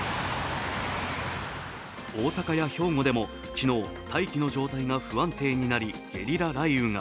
大阪や兵庫でも昨日、大気の状態が不安定になりゲリラ雷雨が。